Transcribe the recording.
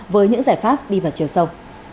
với những giải pháp đi vào chiều sâu